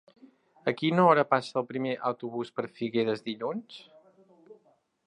A quina hora passa el primer autobús per Figueres dilluns?